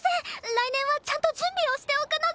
来年はちゃんと準備をしておくので。